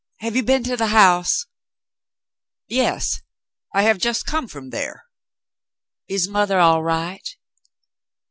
Have you been to the house ?" "Yes. I have just come from there." "Is mother all right